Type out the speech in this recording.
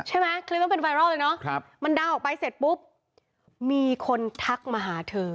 ใช่ไหมคลิปมันเป็นไวรัลเลยเนอะมันดาออกไปเสร็จปุ๊บมีคนทักมาหาเธอ